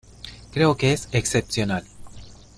Creo que es excepcional.